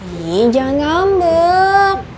ii jangan ngambek